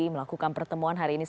melakukan pertemuan hadir di kota